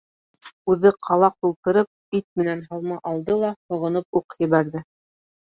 Үҙе ҡалаҡ тултырып ит менән һалма алды ла һоғоноп уҡ ебәрҙе.